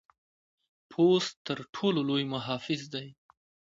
پوست تر ټر ټولو لوی محافظ دی.